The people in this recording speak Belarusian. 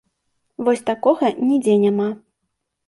Вось такога нідзе няма.